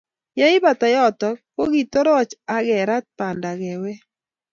Ye ibata yoto, kikitoroch akerat banda kewek